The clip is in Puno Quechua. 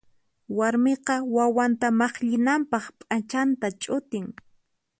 Warmiqa wawanta mayllinanpaq p'achanta ch'utin.